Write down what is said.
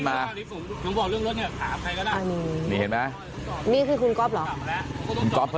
ไม่มีคุณก๊อฟเหรอ